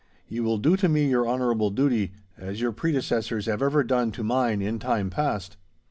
Ye will do to me your honourable duty, as your predecessors have ever done to mine in time past.